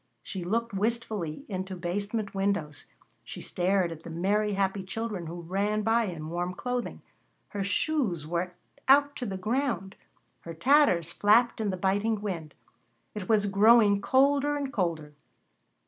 She looked wistfully into basement windows. She stared at the merry, happy children who ran by in warm clothing. Her shoes were out to the ground; her tatters flapped in the biting wind. It was growing colder and colder.